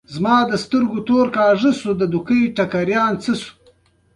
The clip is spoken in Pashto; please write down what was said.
په برازیل کې د ساو پاولو فدرالي پوهنتون